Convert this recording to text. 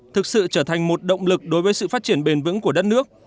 thực sự trở thành một động lực đối với sự phát triển bền vững của đất nước